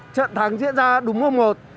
trận thắng diễn ra đúng hôm một